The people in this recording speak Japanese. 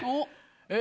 え